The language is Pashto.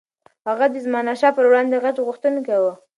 هغه د زمانشاه پر وړاندې د غچ غوښتونکی و.